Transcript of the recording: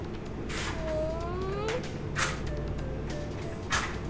ふん。